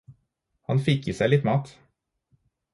Han fikk i seg litt mat.